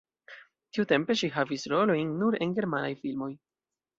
Tiutempe ŝi havis rolojn nur en germanaj filmoj.